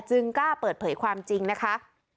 กล้าเปิดเผยความจริงนะคะ